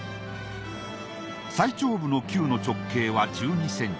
最頂部の球の直径は１２ｃｍ。